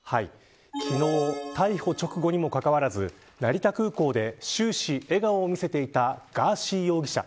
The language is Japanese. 昨日、逮捕直後にもかかわらず成田空港で終始笑顔を見せていたガーシー容疑者。